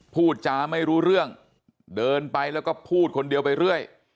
พูดจาไม่รู้เรื่องเดินไปแล้วก็พูดคนเดียวไปเรื่อย